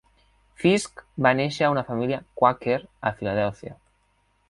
Fisk va néixer a una família quàquer, a Filadèlfia.